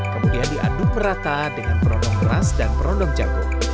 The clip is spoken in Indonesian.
kemudian diaduk merata dengan perondong beras dan perondong jagung